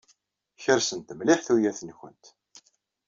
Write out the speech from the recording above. Kersent mliḥ tuyat-nwent.